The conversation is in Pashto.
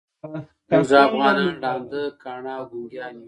موږ افغانان ړانده، کاڼه او ګونګیان یوو.